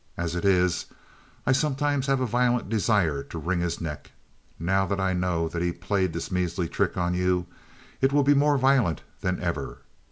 As it is, I sometimes have a violent desire to wring his neck. Now that I know that he played this measly trick on you, it will be more violent than ever.